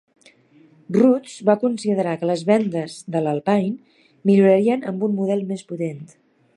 Rootes va considerar que les vendes de l'Alpine millorarien amb un model més potent.